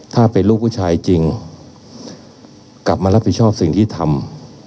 ถ้าเป็นลูกผู้ชายจริงกลับมารับผิดชอบสิ่งที่ทำ